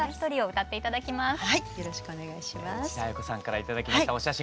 藤あや子さんから頂きましたお写真